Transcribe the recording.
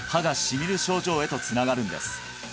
しみる症状へとつながるんです